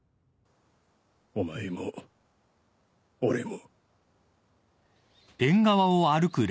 お前も俺も。